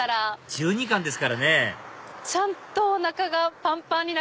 １２貫ですからねちゃんとおなかがぱんぱんに。